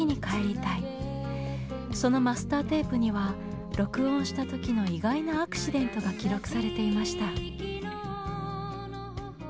そのマスターテープには録音した時の意外なアクシデントが記録されていました。